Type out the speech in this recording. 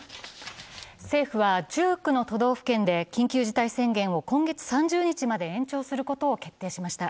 政府は１９の都道府県で緊急事態宣言を今月３０日まで延長することを決定しました。